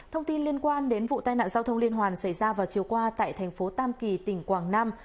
thông tin liên quan đến vụ tai nạn giao thông liên hoàn xảy ra vào chiều qua tại thành phố tam kỳ tỉnh quảng nam